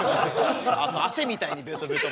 汗みたいにベトベト。